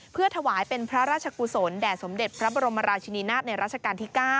เพื่อถวายเป็นพระราชกุศลแด่สมเด็จพระบรมราชินีนาฏในราชการที่๙